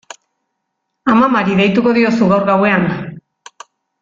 Amamari deituko diozu gaur gauean.